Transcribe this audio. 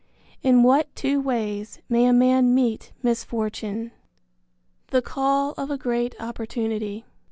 In what two ways may a man meet misfortune? III. THE CALL OF A GREAT OPPORTUNITY.